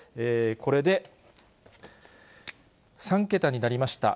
これで、３桁になりました。